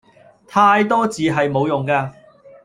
太多字係無用架